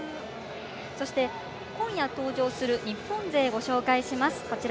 そして、今夜登場する日本勢、ご紹介します。